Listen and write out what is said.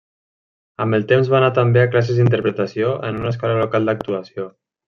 Amb el temps va anar també a classes d'interpretació en una escola local d'actuació.